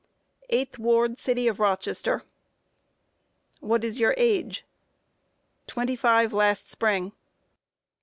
Eighth ward, city of Rochester. Q. What is your age? A. Twenty five last spring.